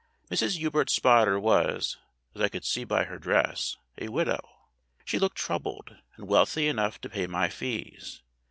Mrs. Hubert Spotter was, as I could see by her dress, a widow. She looked troubled, and wealthy enough to pay my fees.